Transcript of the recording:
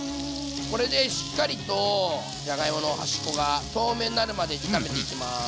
これでしっかりとじゃがいもの端っこが透明になるまで炒めていきます。